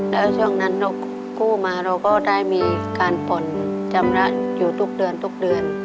แล้วช่วงนั้นคู่มาเราก็ได้มีการปล่นจำละอยู่ทุกเดือน